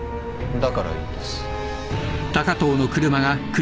だからいいんです。